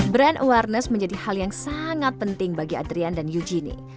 brand awareness menjadi hal yang sangat penting bagi adrian dan eugenie